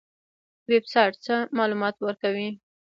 ویب سایټ څه معلومات ورکوي؟